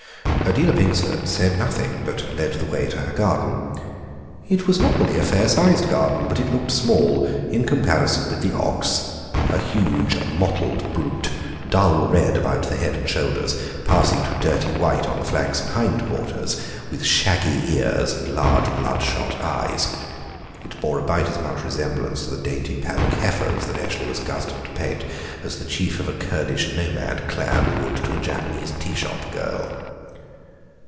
Adela Pingsford said nothing, but led the way to her garden. It was normally a fair sized garden, but it looked small in comparison with the ox, a huge mottled brute, dull red about the head and shoulders, passing to dirty white on the flanks and hind quarters, with shaggy ears and large blood shot eyes. It bore about as much resemblance to the dainty paddock heifers that Eshley was accustomed to paint as the chief of a Kurdish nomad clan would to a Japanese tea shop girl.